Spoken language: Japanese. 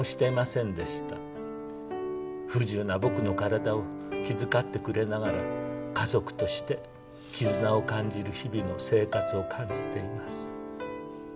「“不自由な僕の体を気遣ってくれながら家族として絆を感じる日々の生活を感じています”」